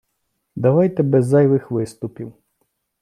Давайте без зайвих виступів.